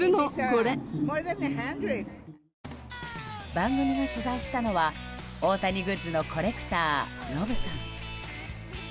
番組が取材したのは大谷グッズのコレクターロブさん。